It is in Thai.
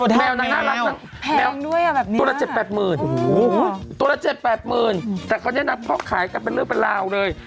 คุณโอ๊คแมวน่ารักแมวน่ารักแมวตัวละ๗๘๐๐๐๐แต่พอนี้นะพอขายกันเป็นเรื่องเป็นราวเลย